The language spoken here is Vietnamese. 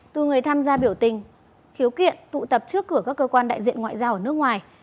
từ người tham gia biểu tình khiếu kiện tụ tập trước cửa các cơ quan đại diện ngoại giao ở nước ngoài